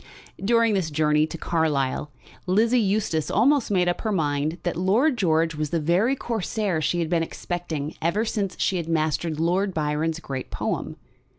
During this journey to Carlisle Lizzie Eustace almost made up her mind that Lord George was the very Corsair she had been expecting ever since she had mastered Lord Byron's great poem.